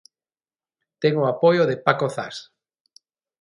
Ten o apoio de Paco Zas.